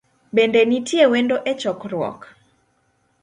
Bende nitie wendo e chokruok?